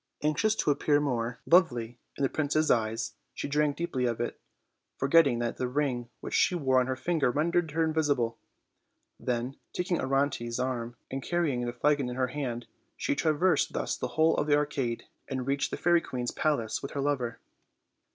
Anxious to appear more OLD, OLD FA1RT TALES. 49 lovely in the prince's eyes, she drank deeply of it, forget ting that the ring which she wore on her ringer rendered her invisible. Then, taking Orontes' arm and carrying the flagon in her hand, she traversed thus the whole of the arcade, and reached the fairy queen's palace with her lover.